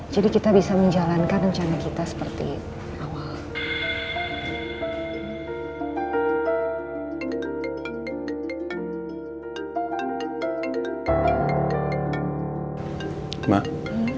jadi kita bisa menjalankan rencana kita seperti awal